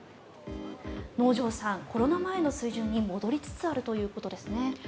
能條さん、コロナ前の水準に戻りつつあるということですね。